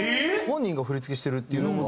本人が振り付けしてるっていうのが。